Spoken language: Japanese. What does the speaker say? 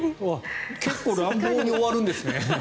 結構乱暴に終わるんですね。